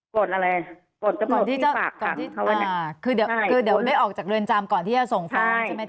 ก่อนอะไรก่อนเจ้าผู้ที่ฝากฝังอ่าคือเดี๋ยวคือเดี๋ยวไม่ออกจากเรือนจำก่อนที่จะส่งฟ้องใช่ไหมจำ